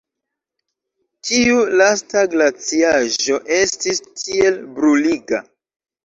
Tiu lasta glaciaĵo estis tiel bruliga!